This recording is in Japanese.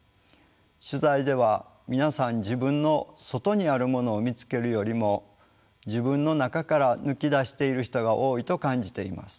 取材では皆さん自分の外にあるものを見つけるよりも自分の中から抜き出している人が多いと感じています。